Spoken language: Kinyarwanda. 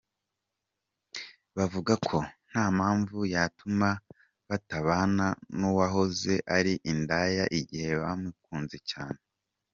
Bavuga ko nta mpamvu yatuma batabana n’uwahoze ari indaya igihe bamukunze cyane.